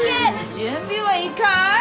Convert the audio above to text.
準備はいいかい？